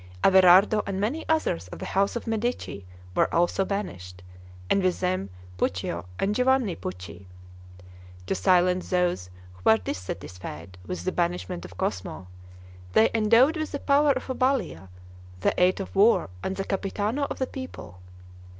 Averardo and many others of the house of Medici were also banished, and with them Puccio and Giovanni Pucci. To silence those who were dissatisfied with the banishment of Cosmo, they endowed with the power of a Balia, the Eight of War and the Capitano of the People.